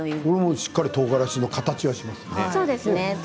しっかりとうがらしの形がしますね。